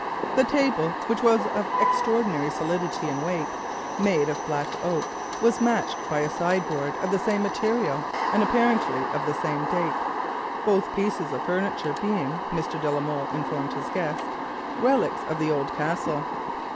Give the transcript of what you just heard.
The table, made of black oak, of extraordinary solidity and weight, was matched by a sideboard of the same material and apparently of the same date, both pieces of furniture being, as Mr. de la Molle informed his guests, relics of the Castle.